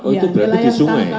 itu berarti di sungai